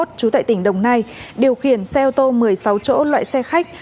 trú tại tỉnh đồng nai điều khiển xe ô tô một mươi sáu chỗ loại xe khách